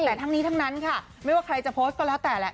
แต่ทั้งนี้ทั้งนั้นค่ะไม่ว่าใครจะโพสต์ก็แล้วแต่แหละ